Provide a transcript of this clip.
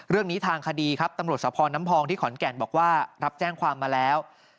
เรื่องนี้ทางคดีครับตำรวจสภน้ำพองที่ขอนแก่นบอกว่ารับแจ้งความมาแล้ว